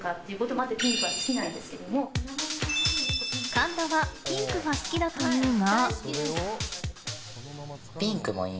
神田はピンクが好きだというが。